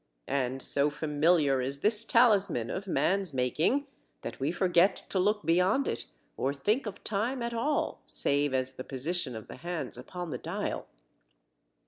And so familiar is this talisman of man's making, that we forget to look beyond it or think of time at all save as the position of the hands upon the dial.